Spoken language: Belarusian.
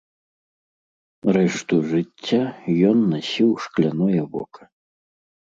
Рэшту жыцця ён насіў шкляное вока.